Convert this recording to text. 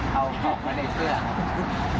เอาของไว้ในเสื้อครับผม